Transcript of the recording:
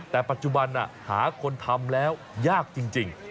แต่ปัจจุบันหาคนทำแล้วยากจริง